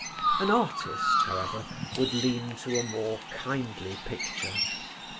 An artist, however, would lean to a more kindly picture.